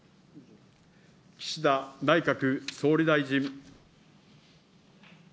岸田内閣総理大臣。